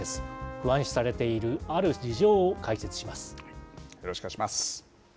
不安視されている、よろしくお願いします。